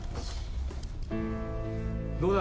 どうだ？